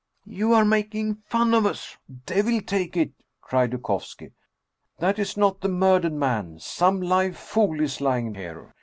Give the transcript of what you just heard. " You are making fun of us, devil take it !" cried Du kovski. " That is not the murdered man ! Some live fool is lying here.